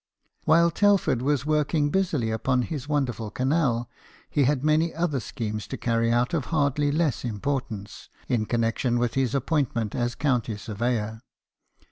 While Telford was working busily upon his wonderful canal, he had many other schemes to carry out of hardly less importance, in con nection with his appointment as county surveyor.